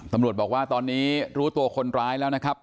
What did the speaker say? ตำรวจบอกว่าตอนนี้รู้ตัวคนร้ายแล้วนะครับ